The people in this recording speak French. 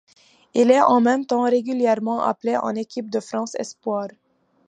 Il est en même temps régulièrement appelé en équipe de France espoirs.